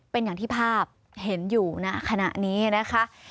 เป็นอย่างที่ภาพเห็นอยู่ณขณะนี้นะคะ